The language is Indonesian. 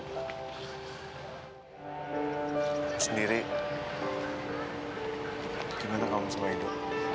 aku sendiri gimana kamu sama edo